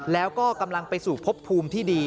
แล้วก็กำลังไปสู่พบภูมิที่ดี